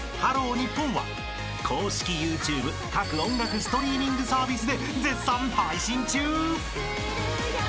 ＮＩＰＰＯＮ！！』は公式ＹｏｕＴｕｂｅ各音楽ストリーミングサービスで絶賛配信中］